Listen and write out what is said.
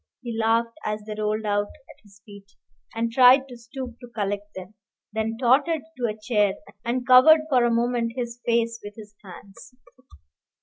He laughed as they rolled out at his feet, and tried to stoop to collect them, then tottered to a chair, and covered for a moment his face with his hands.